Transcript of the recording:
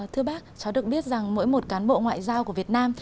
thưa bác cháu được biết rằng mỗi một cán bộ ngoại giao của việt nam